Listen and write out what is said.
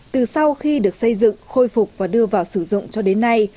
từ sau khi được xây dựng khôi phục và đưa vào sử dụng cho đến nay